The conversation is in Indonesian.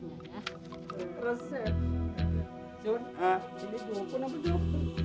sud ini dukun apa dukun